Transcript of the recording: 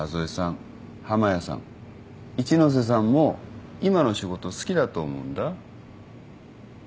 一ノ瀬さんも今の仕事好きだと思うんだ。